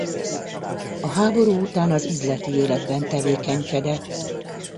A háború után az üzleti életben tevékenykedett.